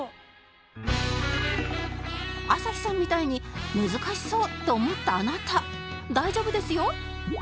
朝日さんみたいに難しそうって思ったあなた大丈夫ですよ